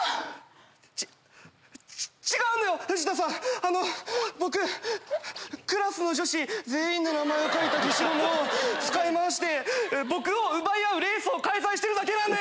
あの僕クラスの女子全員の名前を書いた消しゴムを使い回して僕を奪い合うレースを開催してるだけなんだよ！